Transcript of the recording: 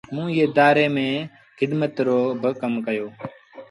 ايئي ادآري ميݩ موݩ کدمت رو با ڪم ڪيو۔